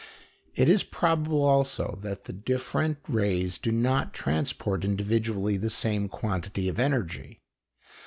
It is probable also that the different rays do not transport individually the same quantity of energy.